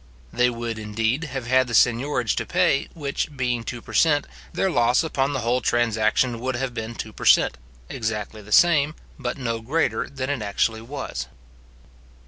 They would, indeed, have had the seignorage to pay, which being two per cent., their loss upon the whole transaction would have been two per cent., exactly the same, but no greater than it actually was.